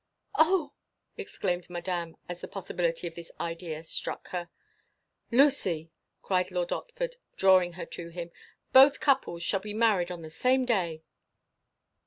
"Oh!" exclaimed Madame, as the possibility of this idea struck her. "Lucy!" cried Lord Otford, drawing her to him, "both couples shall be married on the same day!"